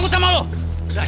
mereka udah keterlaluan boy